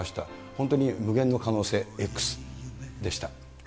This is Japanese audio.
本当に無限の可能性、Ｘでした。